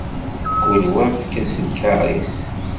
Kul wa efk-as lkaṛ-is.